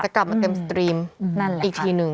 จะกลับมาเต็มสตรีมอีกทีนึง